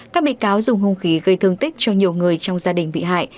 các bị cáo dùng hung khí gây thương tích cho nhiều người trong gia đình bị hại